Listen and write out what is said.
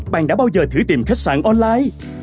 bạn đã bao giờ thử tìm khách sạn online